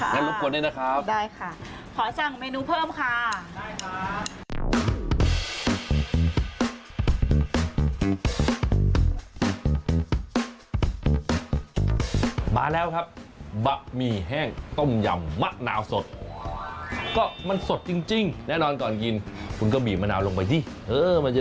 งั้นรบกวนด้วยนะครับได้ค่ะขอจังเมนูเพิ่มค่ะได้ค่ะขอจังเมนูเพิ่มค่ะ